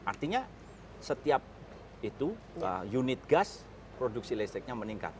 artinya setiap itu unit gas produksi listriknya meningkat